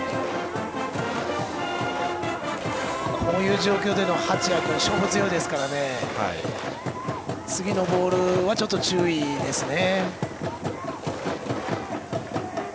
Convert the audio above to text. こういう状況での八谷君は勝負強いですから次のボールはちょっと注意ですね。